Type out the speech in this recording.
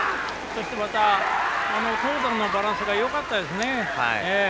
そして投打のバランスがよかったですね。